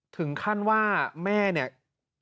ถึงขั้นว่าแม่เนี่ย